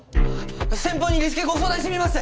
先方にリスケご相談してみます！